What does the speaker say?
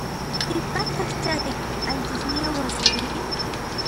Piqpataq chay altosniyoq wasiri?